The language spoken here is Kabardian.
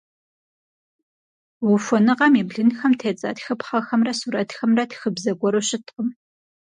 Ухуэныгъэм и блынхэм тедза тхыпхъэхэмрэ сурэтхэмрэ тхыбзэ гуэру щыткъым.